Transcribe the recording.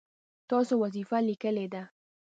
تاسو وظیفه لیکلې ده؟